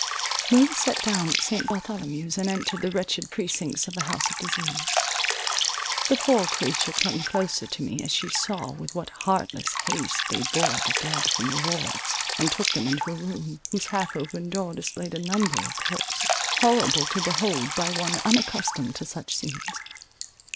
We were set down at St. Bartholomew's, and entered the wretched precincts of the house of disease. The poor creature clung closer to me, as she saw with what heartless haste they bore the dead from the wards, and took them into a room, whose half opened door displayed a number of corpses, horrible to behold by one unaccustomed to such scenes.